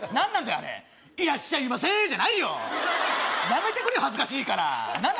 あれ「いらっしゃいませ」じゃないよやめてくれよ恥ずかしいから何なんだ